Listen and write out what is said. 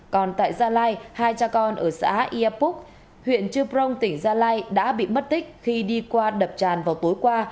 còn tại gia lai hai cha con ở xã iapoc huyện chư prong tỉnh gia lai đã bị mất tích khi đi qua đập tràn vào tối qua